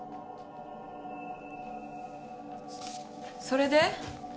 それで？